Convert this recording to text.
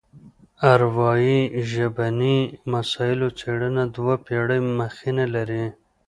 د اروايي ژبني مسایلو څېړنه دوه پېړۍ مخینه لري